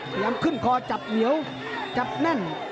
พยายามขึ้นคอจับเหนียวจับแน่น